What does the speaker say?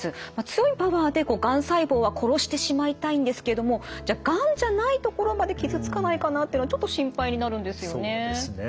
強いパワーでがん細胞は殺してしまいたいんですけどもじゃがんじゃない所まで傷つかないかなっていうのはちょっと心配になるんですよね。